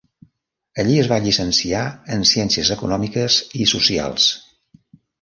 Allí es va llicenciar en Ciències Econòmiques i Socials.